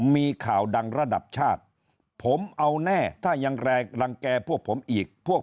มีข่าวดังระดับชาติผมเอาแน่ถ้ายังแรงรังแก่พวกผมอีกพวก